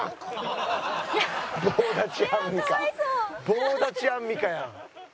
棒立ちアンミカやん。